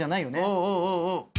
うんうんうんうん。